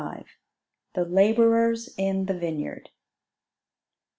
] THE LABOURERS IN THE VINEYARD.